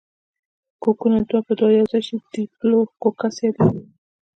کوکونه دوه په دوه یوځای شي ډیپلو کوکس یادیږي.